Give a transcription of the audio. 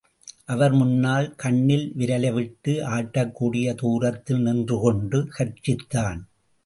அவர் முன்னால், கண்ணில் விரலைவிட்டு ஆட்டக்கூடிய தூரத்தில் நின்று கொண்டு, கர்ஜித்தான்.